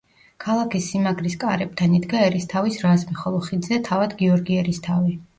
ქალაქის სიმაგრის კარებთან იდგა ერისთავის რაზმი, ხოლო ხიდზე თავად გიორგი ერისთავი.